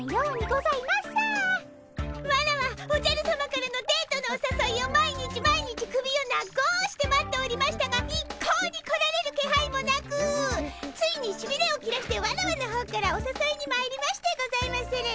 ワラワおじゃるさまからのデートのおさそいを毎日毎日首を長うして待っておりましたが一向に来られる気配もなくついにしびれを切らしてワラワの方からおさそいにまいりましてございまする。